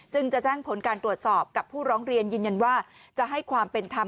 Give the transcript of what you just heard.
จะแจ้งผลการตรวจสอบกับผู้ร้องเรียนยืนยันว่าจะให้ความเป็นธรรม